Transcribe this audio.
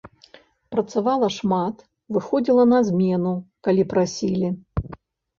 Працавала шмат, выходзіла на змену, калі прасілі.